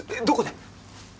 どこで？